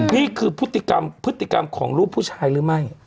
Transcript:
นี่คือพฤติกรรมของรูปผู้ชายหรือไม่